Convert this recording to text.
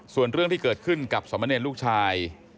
ส่วนเรื่องที่เกิดขึ้นกับสมเนรลูกชาย